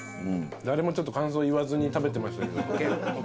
誰もちょっと感想言わずに食べてましたけど。